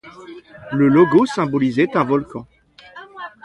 Le logo symbolisait un volcan.